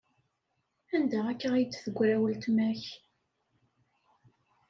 Anda akka ay d-teggra weltma-k?